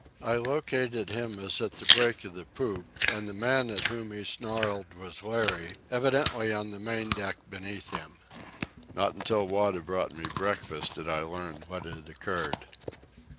I located him as at the break of the poop; and the man at whom he snarled was Larry, evidently on the main deck beneath him. Not until Wada brought me breakfast did I learn what had occurred.